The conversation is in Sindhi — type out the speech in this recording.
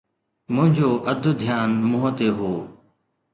منهنجو اڌ ڌيان منهن تي هو.